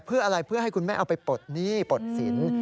เพื่ออะไรเพื่อให้คุณแม่เอาไปปลดหนี้ปลดสิน